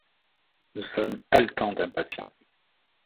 Nous sommes haletants d’impatience.